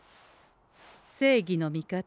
正義の味方